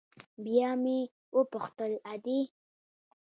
بيا مې وپوښتل ادې.